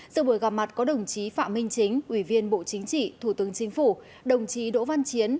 giờ buổi gặp mặt có đồng chí phạm minh chính ubnd bộ chính trị thủ tướng chính phủ đồng chí đỗ văn chiến